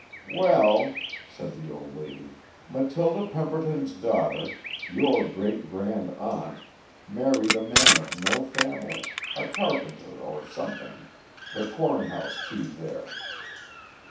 "Well," said the old lady, "Matilda Pemberton's daughter, your great grand aunt, married a man of no family a carpenter or something the corn house key there."